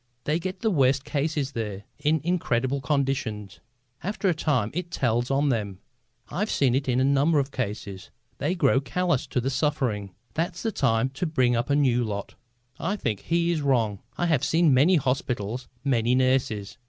"They get the worst cases there, in incredible conditions. After a time it tells on them. I've seen it in a number of cases. They grow calloused to suffering. That's the time to bring up a new lot." I think he is wrong. I have seen many hospitals, many nurses.